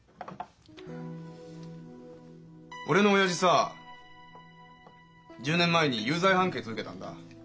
俺の親父さ１０年前に有罪判決受けたんだ。